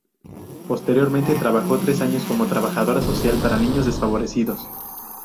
Posteriormente, trabajó tres años como trabajadora social para niños desfavorecidos.